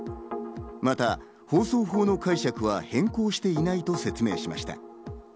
また放送法の解釈は変更していないと説明しました。